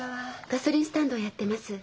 ガソリンスタンドをやってます。